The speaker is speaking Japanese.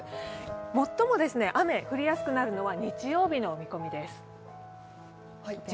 最も雨が降りやすくなるのは日曜日の見込みです。